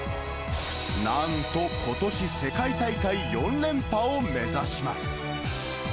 なんとことし、世界大会４連覇を目指します。